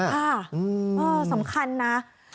อ้าวสำคัญนะ